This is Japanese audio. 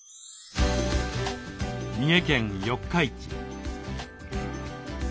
三重県四日市。